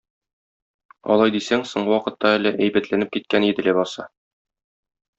Алай дисәң, соңгы вакытта әле әйбәтләнеп киткән иде, ләбаса.